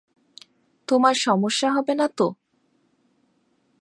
তোমার সমস্যা হবে না তো?